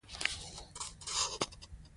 احمد د خپل ورک شوي موټر درک لګولی دی.